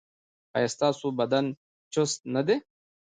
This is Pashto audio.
ایا ستاسو بدن چست نه دی؟